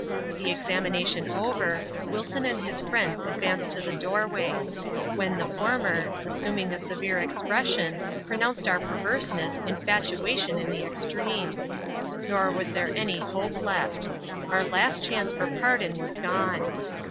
The examination over, Wilson and his friends advanced to the doorway ; when the former, assuming a severe expression, {NTonoanoed our perverseness, infatuation in the extreme. Nor was there any hope left : our last chance for pardon was gone.